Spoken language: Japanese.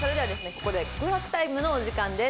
ここで告白タイムのお時間です。